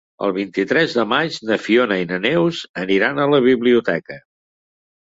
El vint-i-tres de maig na Fiona i na Neus aniran a la biblioteca.